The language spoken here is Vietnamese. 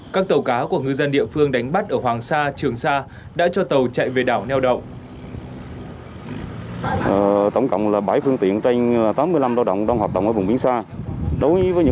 các tàu cá của ngư dân địa phương đánh bắt ở hoàng sa trường sa đã cho tàu chạy về đảo neo đậu